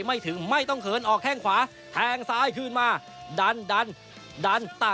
ไม่ถึงไม่ต้องเขินออกแข้งขวา